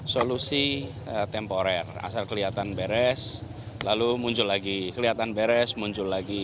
solusi temporer asal kelihatan beres kelihatan beres muncul lagi